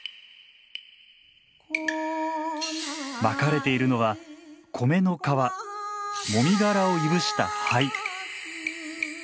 まかれているのは米の皮もみ殻をいぶした灰。